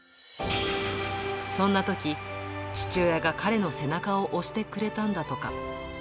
そんなとき、父親が彼の背中を押してくれたんだとか。